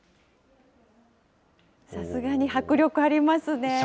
さすがに迫力ありますね。